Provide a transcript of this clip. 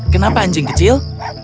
kenapa anjing kecil